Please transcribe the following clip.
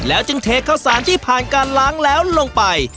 จึงเทข้าวสารที่ผ่านการล้างแล้วลงไป